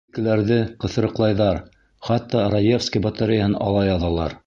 Беҙҙекеләрҙе ҡыҫырыҡлайҙар, хатта Раевский батареяһын ала яҙалар.